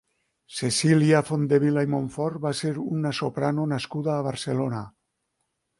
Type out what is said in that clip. Cecília Fondevila i Monfort va ser una soprano nascuda a Barcelona.